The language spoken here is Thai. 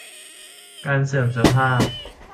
การเสื่อมสภาพ